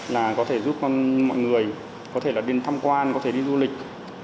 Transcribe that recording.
là có thể giúp mọi người có thể là đi thăm quan có thể đi du lịch